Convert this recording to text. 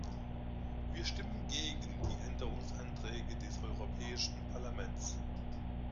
Wir stimmen gegen die Änderungsanträge des Europäischen Parlaments.